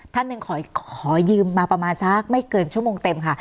ท่านหนึ่งขอยืมมาประมาณสักไม่เกินชั่วโมงเต็มค่ะ